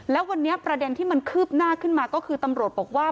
แล้ววันนี้ประเด็นที่มันคืบหน้าขึ้นมาก็คือตำรวจบอกว่า